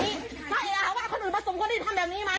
เงียบได้ไหมเงียบได้ไหมเนี่ยไม่